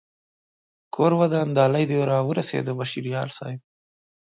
کور ودان ډالۍ دې را و رسېده بشر یار صاحب